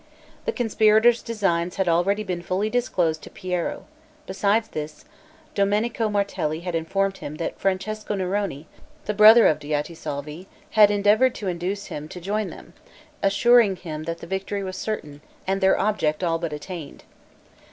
The conspirators' designs had already been fully disclosed to Piero; besides this, Domenico Martelli had informed him, that Francesco Neroni, the brother of Diotisalvi, had endeavored to induce him to join them, assuring him the victory was certain, and their object all but attained.